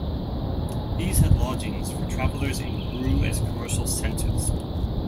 These had lodgings for travelers and grew as commercial centers.